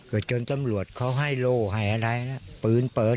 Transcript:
เกิดเจ้าตำรวจเขาให้โลหะแหละปืนเปิ้ล